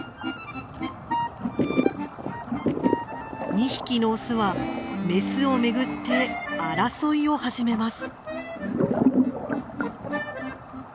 ２匹のオスはメスをめぐって争いを始めます。